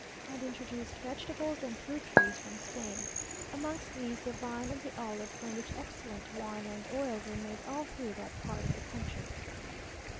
and introduced vegetables and fruit trees from Spain; amongst these the vine and the olive, from which excellent wine and oil were made all through that part of the country.